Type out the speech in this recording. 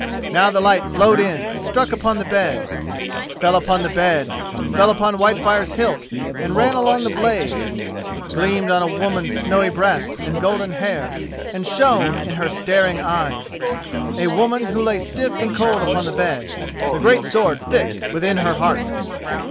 Now the light flowed in and struck upon the bed. It fell upon the bed, it fell upon Whitefire's hilt and ran along the blade, it gleamed on a woman's snowy breast and golden hair, and shone in her staring eyes—a woman who lay stiff and cold upon the bed, the great sword fixed within her heart!